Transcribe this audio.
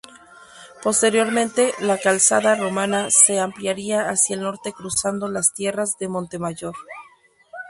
Posteriormente la calzada romana se ampliaría hacia el norte cruzando las tierras de Montemayor.